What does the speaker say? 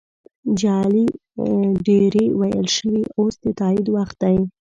جملې ډیرې ویل شوي اوس د تایید وخت دی.